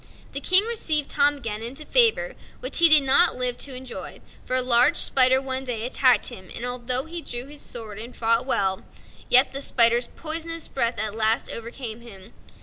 The King received Tom again into favor, which he did not live to enjoy, for a large spider one day attacked him; and although he drew his sword and fought well, yet the spider's poisonous breath at last overcame him.